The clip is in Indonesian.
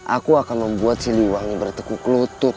aku akan membuat si liwangi bertekuk lutut